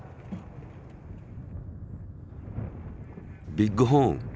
ビッグホーン？